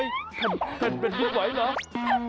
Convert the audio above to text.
โอ้โฮเป็นแผ่นเป็นเดียวไหวเหรอ